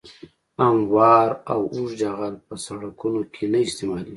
هموار او اوږد جغل په سرکونو کې نه استعمالیږي